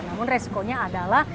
namun resikonya adalah